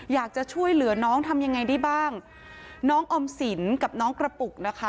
อยากจะช่วยเหลือน้องทำยังไงได้บ้างน้องออมสินกับน้องกระปุกนะคะ